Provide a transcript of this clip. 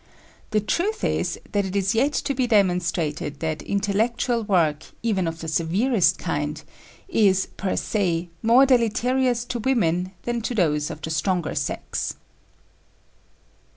The truth is that it is yet to be demonstrated that intellectual work, even of the severest kind, is, per se, more deleterious to women than to those of the stronger sex.